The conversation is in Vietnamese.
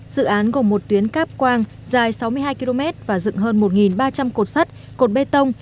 dự án gồm một tuyến cáp quang dài sáu mươi hai km và dựng hơn một ba trăm linh cột sắt cột bê tông